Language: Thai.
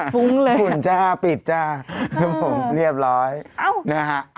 ฟุ้งเลยฝุ่นจ้าปิดจ้าครับผมเรียบร้อยนะฮะ